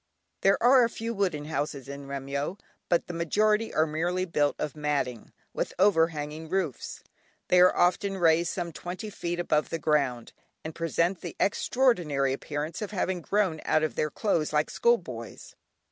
There are a few wooden houses in Remyo, but the majority are merely built of matting, with over hanging roofs. They are often raised some twenty feet above the ground, and present the extraordinary appearance of having grown out of their clothes like school boys.